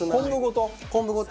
昆布ごと？